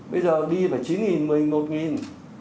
bây giờ đi phải chín nghìn một mươi một nghìn